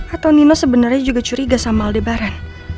atau nino sebenarnya juga curiga sama aldebaran